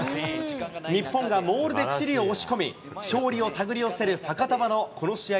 日本がモールでチリを押し込み、勝利を手繰り寄せるファカタヴァのこの試合